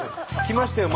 来ましたよ